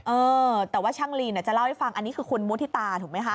เออแต่ว่าช่างลีนจะเล่าให้ฟังอันนี้คือคุณมุฒิตาถูกไหมคะ